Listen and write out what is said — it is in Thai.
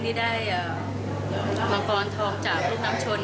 ที่ได้มังกรทองจากลูกน้ำชน